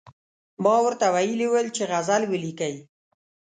ما ورته ویلي ول چې غزل ولیکئ.